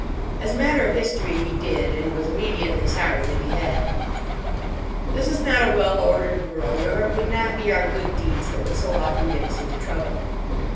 As a matter of history he did, and was immediately sorry that he had. This is not a well ordered world, or it would not be our good deeds that would so often get us into trouble.